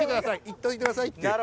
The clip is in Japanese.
行っといてくださいっていう。